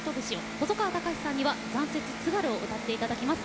細川たかしさんには「残雪・津軽」を歌っていただきます。